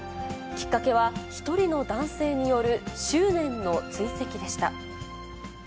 きっかけは１人の男性による執念の追跡でした。